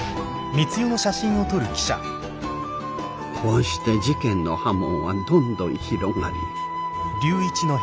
こうして事件の波紋はどんどん広がり。